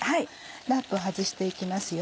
ラップを外して行きます。